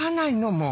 もう！